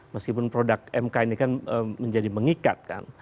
meskipun produk mk ini kan menjadi mengikatkan